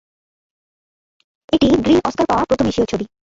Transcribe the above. এটিই Green Oscar পাওয়া প্রথম এশীয় ছবি।